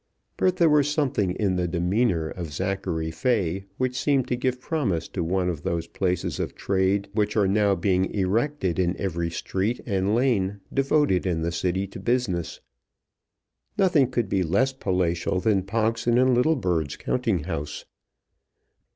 But there was something in the demeanour of Zachary Fay which seemed to give promise of one of those palaces of trade which are now being erected in every street and lane devoted in the City to business. Nothing could be less palatial than Pogson and Littlebird's counting house.